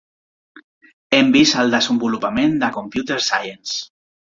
Hem vist el desenvolupament de Computer Science.